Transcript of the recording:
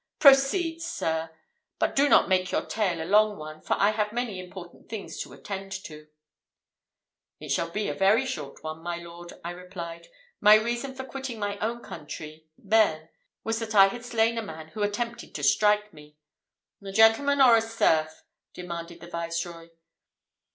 "Proceed, sir; but do not make your tale a long one, for I have many important things to attend to." "It shall be a very short one, my Lord," I replied: "my reason for quitting my own country, Bearn, was that I had slain a man who attempted to strike me " "A gentleman, or a serf?" demanded the Viceroy.